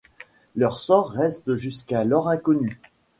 Leur sort reste jusqu'alors inconnu.